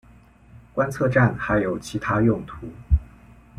观测站还有其它用途。